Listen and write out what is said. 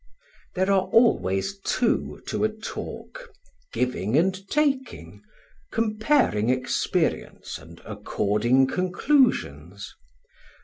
There are always two to a talk, giving and taking, comparing experience and according conclusions.